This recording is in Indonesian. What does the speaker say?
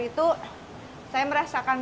itu saya merasakan